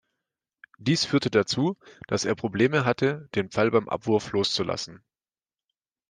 Dies führte dazu, dass er Probleme hatte, den Pfeil beim Abwurf loszulassen.